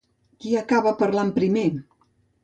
Qui acaba parlant primer?